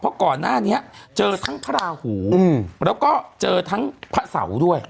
เพราะก่อนหน้านี้เจอทั้งพระราหูแล้วก็เจอทั้งพระเสาด้วย